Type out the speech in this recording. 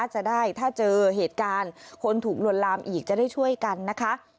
จะได้ถ้าเจอเหตุการณ์คนถูกลวนลามอีกจะได้ช่วยกันนะคะ